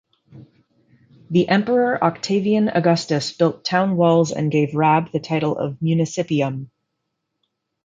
The emperor Octavian Augustus built town walls and gave Rab the title of Municipium.